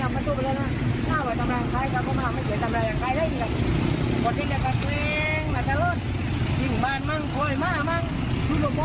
โดโดโดโดโดโด